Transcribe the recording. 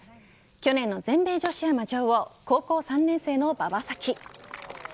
去年の全米女子アマ女王高校３年生の馬場咲希。